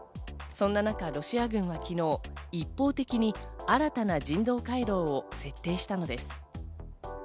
そんな中、ロシア軍は昨日、一方的に新たな人道回廊を設定したのです。